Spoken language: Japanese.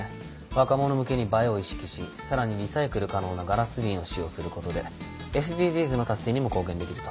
若者向けに映えを意識しさらにリサイクル可能なガラス瓶を使用することでＳＤＧｓの達成にも貢献できると。